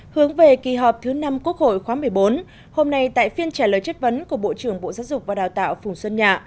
hướng về kỳ họp thứ năm quốc hội khóa một mươi bốn hôm nay tại phiên trả lời chất vấn của bộ trưởng bộ giáo dục và đào tạo phùng xuân nhạ